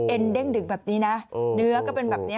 เด้งดึงแบบนี้นะเนื้อก็เป็นแบบนี้